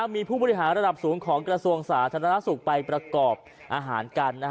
มีผู้บริหารระดับสูงของกระทรวงสาธารณสุขไปประกอบอาหารกัน